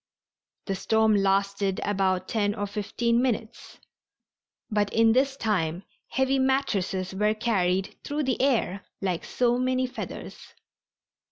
The storm lasted about ten or fifteen minutes, but in this time heavy mattresses were carried through the air like so many feathers.